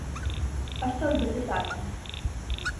А што ж дэпутаты?